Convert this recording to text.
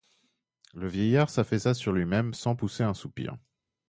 Le vieillard s'affaissa sur lui-même sans pousser un soupir.